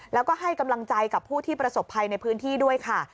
แล้วก็ให้กำลังใจกับผู้ที่ประสบภัยในพื้นที่ด้วยค่ะ